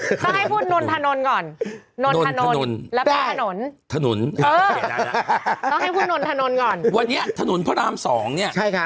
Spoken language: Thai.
รอให้พูดโนนนถนนก่อนโนนนธนนแล้วยาวฟ้ามันขนนุนนะอ๋อวันนี้ธนนพระราม๒นี่